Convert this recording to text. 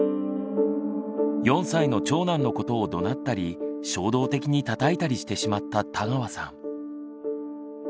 ４歳の長男のことをどなったり衝動的にたたいたりしてしまった田川さん。